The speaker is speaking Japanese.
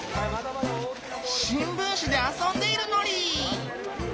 しんぶんしであそんでいるのり！